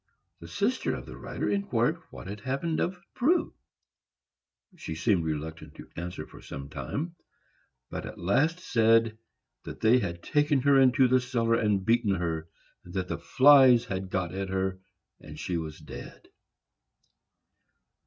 The sister of the writer inquired what had become of Prue. She seemed reluctant to answer for some time, but at last said that they had taken her into the cellar and beaten her, and that the flies had got at her, and she was dead!